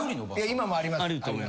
今もあります。